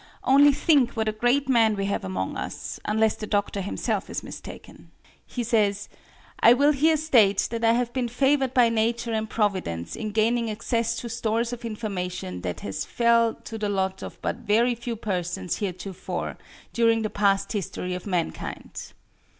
Only think what a great man we have among us unless the Doctor himself is mistaken. He says: "I will here state that I have been favored by nature and Providence in gaining access to stores of information that has fell to the lot of but very few persons heretofore, during the past history of mankind."